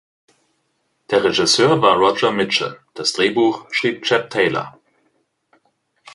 Der Regisseur war Roger Michell, das Drehbuch schrieb Chap Taylor.